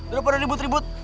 udah udah ribet ribet